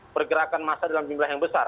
pergerakan masa dalam jumlah yang besar